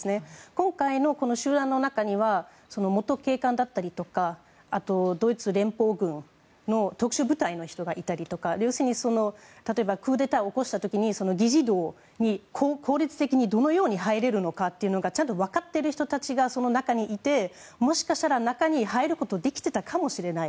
今回の集団の中には元警官だったりとかドイツ連邦軍の特殊部隊の人がいたりとか要するに、例えばクーデターを起こした時に議事堂に効率的にどのように入れるのか分かっている人たちがその中にいてもしかしたら中に入ることができていたかもしれない。